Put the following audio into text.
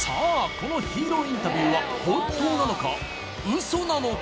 このヒーローインタビューは本当なのか？